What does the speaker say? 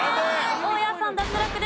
大家さん脱落です。